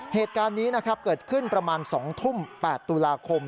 เหตุการณ์นี้นะครับเกิดขึ้นประมาณ๒ทุ่ม๘ตุลาคม